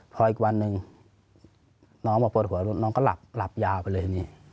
พออีกวันหนึ่งน้องบอกปวดหัวน้องก็หลับยาวไปเลยนี่